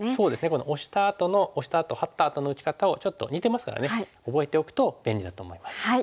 このオシたあとのオシたあとハッたあとの打ち方をちょっと似てますからね覚えておくと便利だと思います。